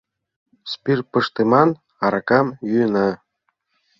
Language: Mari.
Спирт пыштыман аракам йӱына